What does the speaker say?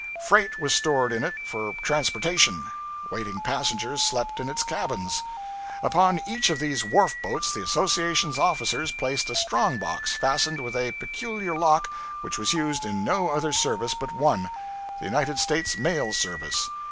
Freight was stored in it for transportation; waiting passengers slept in its cabins. Upon each of these wharf boats the association's officers placed a strong box fastened with a peculiar lock which was used in no other service but one the United States mail service.